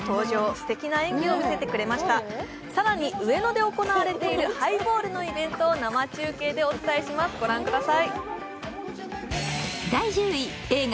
すてきな演技を見せてくれました、更に上野で行われているハイボールのイベントを生中継でお伝えしますします。